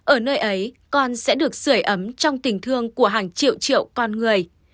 ở nơi ấy con sẽ được sửa ấm trong tình thương của hàng triệu triệu con người